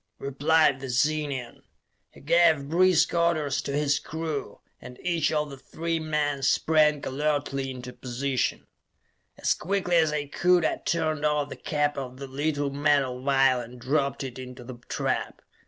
replied the Zenian. He gave brisk orders to his crew, and each of the three men sprang alertly into position. As quickly as I could, I turned off the cap of the little metal vial and dropped it into the trap.